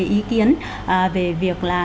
ý kiến về việc